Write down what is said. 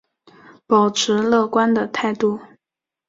抱持乐观的态度